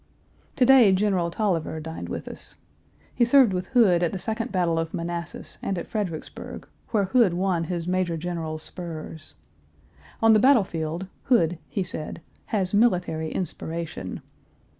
To day General Taliaferro dined with us. He served with Hood at the second battle of Manassas and at Fredericksburg, where Hood won his major general's spurs. On the battle field, Hood, he said, "has military inspiration."